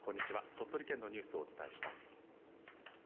鳥取県のニュースをお伝えします。